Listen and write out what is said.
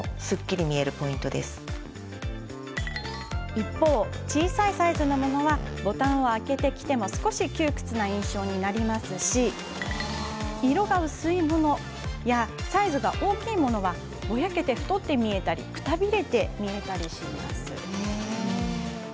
一方、小さいサイズのものはボタンを開けて着ても少し窮屈な印象になりますし色が薄いものやサイズの大きいものはぼやけて太って見えたりくたびれて見えたりします。